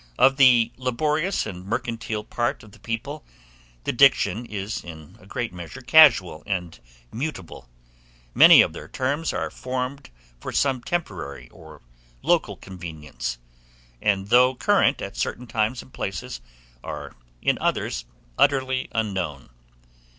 Of the laborious and mercantile part of the people, the diction is in a great measure casual and mutable; many of their terms are formed for some temporary or local convenience, and though current at certain times and places, are in others utterly unknown.